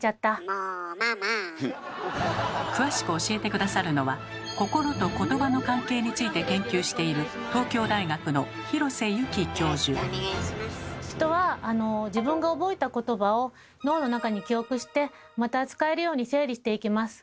詳しく教えて下さるのは心と言葉の関係について研究している人は自分が覚えた言葉を脳の中に記憶してまた使えるように整理していきます。